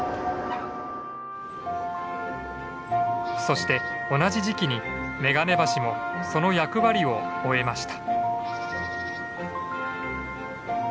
そして同じ時期にめがね橋もその役割を終えました。